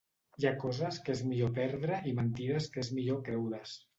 Hi ha coses que és millor perdre i mentides que és millor creure's.